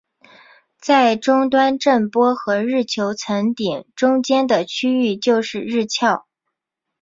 在终端震波和日球层顶中间的区域就是日鞘。